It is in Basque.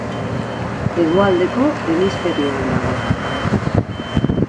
Hegoaldeko hemisferioan dago.